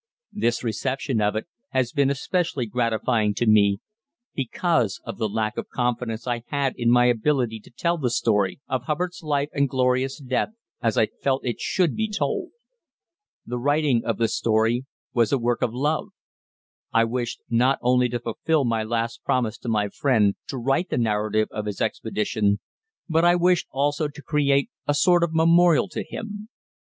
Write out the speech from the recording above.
This reception of it has been especially gratifying to me because of the lack of confidence I had in my ability to tell the story of Hubbard's life and glorious death as I felt it should be told. The writing of the story was a work of love. I wished not only to fulfil my last promise to my friend to write the narrative of his expedition, but I wished also to create a sort of memorial to him.